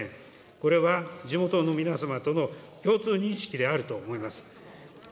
これは地元の皆様との共通認識であると思います。